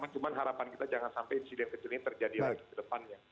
cuma harapan kita jangan sampai insiden kecil ini terjadi lagi ke depannya